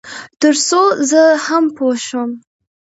تر څو زه هم پوه شم.